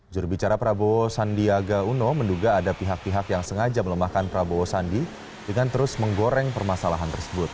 jurubicara prabowo sandiaga uno menduga ada pihak pihak yang sengaja melemahkan prabowo sandi dengan terus menggoreng permasalahan tersebut